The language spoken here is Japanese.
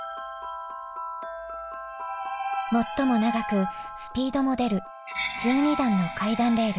最も長くスピードも出る１２段の階段レール。